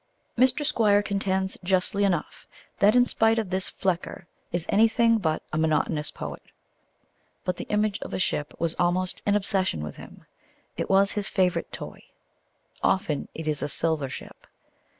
Mr. Squire contends justly enough that in spite of this Flecker is anything but a monotonous poet. But the image of a ship was almost an obsession with him. It was his favourite toy. Often it is a silver ship.